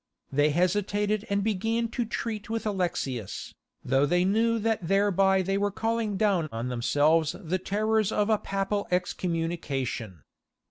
They hesitated and began to treat with Alexius, though they knew that thereby they were calling down on themselves the terrors of a Papal excommunication.